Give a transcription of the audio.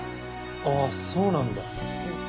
あっそうなんだ。